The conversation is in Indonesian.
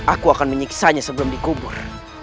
aku akan menyiksa nya sebelum dikubur